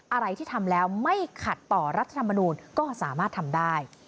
อะไรที่ทำแล้วไม่ขัดต่อรัฐธรรมนูลก็สามารถทำได้